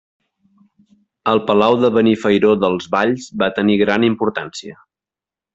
El Palau de Benifairó dels Valls va tenir gran importància.